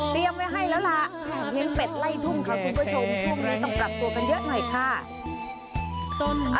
เตรียมไว้ให้แล้วล่ะเห็นเป็ดไล่ดุ้งครับคุณผู้ชมช่วงนี้สำหรับตัวกันเยอะหน่อยค่ะ